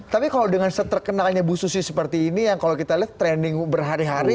tapi kalau dengan seterkenakannya busu seperti ini yang kalau kita lihat training berhari hari